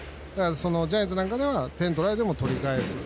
ジャイアンツなんかだと点取られても取り返す。